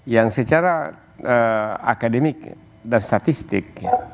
yang secara akademik dan statistik